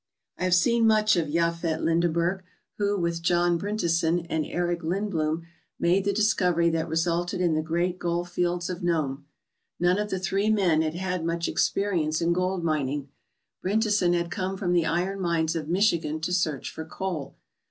I have seen much of Jafet Lindeberg, who, with John Bryntesen and Erik Lindbloom, made the discovery that resulted in the great gold fields of Nome. None of the three men had had much experience in gold mining. Bryntesen had come from the iron mines of Michigan to search for coal.